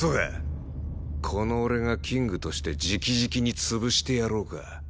この俺がキングとして直々に潰してやろうか？